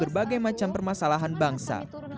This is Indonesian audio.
berbagai macam permasalahan bangsa